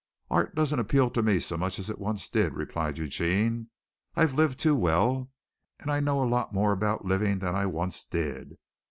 "Art doesn't appeal to me so much as it did once," replied Eugene. "I've lived too well and I know a lot more about living than I once did.